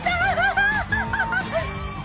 ハハハハハ。